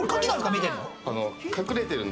見えてるの。